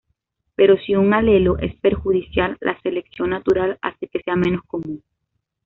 Pero si un alelo es perjudicial, la selección natural hace que sea menos común.